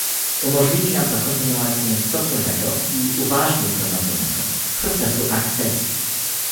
Umożliwi nam to kontynuację stopniowego i uważnie prowadzonego procesu akcesji